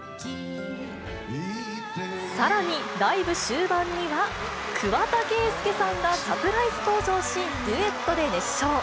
さらに、ライブ終盤には、桑田佳祐さんがサプライズ登場し、デュエットで熱唱。